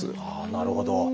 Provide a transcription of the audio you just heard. なるほど。